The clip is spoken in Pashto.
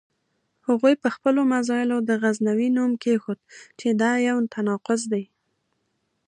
هغوی په خپلو مزایلو د غزنوي نوم کېښود چې دا یو تناقض دی.